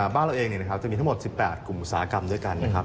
บ้านเราเองจะมีทั้งหมด๑๘กลุ่มอุตสาหกรรมด้วยกันนะครับ